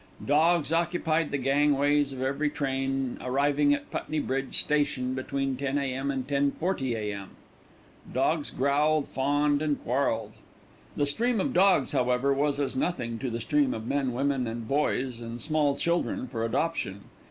Dogs occupied the gangways of every train arriving at Putney Bridge station between 10 a.m. and 10.40 a.m. Dogs growled, fawned, and quarrelled. The stream of dogs, however, was as nothing to the stream of men, women and boys, and small children for adoption.